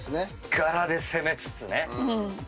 柄で攻めつつね。